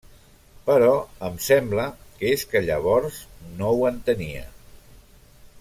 Però em sembla que és que llavors no ho entenia.